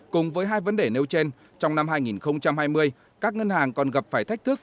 cùng với hai vấn đề nêu trên trong năm hai nghìn hai mươi các ngân hàng còn gặp phải thách thức